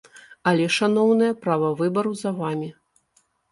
Але, шаноўныя, права выбару за вамі.